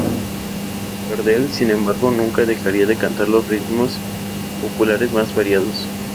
Gardel sin embargo nunca dejaría de cantar los ritmos populares más variados.